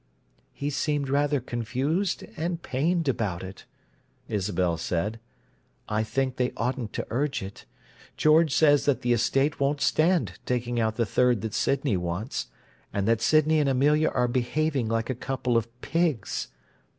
"He seemed rather confused and pained about it," Isabel said. "I think they oughtn't to urge it. George says that the estate won't stand taking out the third that Sydney wants, and that Sydney and Amelia are behaving like a couple of pigs."